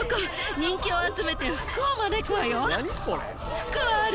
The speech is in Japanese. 福はある。